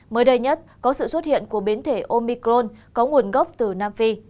mới đây nhất có sự xuất hiện của biến thể omicron có nguồn gốc từ nam phi